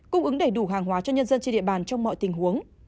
cung ứng đầy đủ hàng hóa cho nhân dân trên địa bàn trong mọi tình huống